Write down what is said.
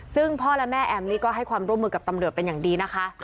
ซึ่งพ่อและแม่แอมนี่ก็ให้ความร่วมมือกับตำรวจเป็นอย่างดีนะคะ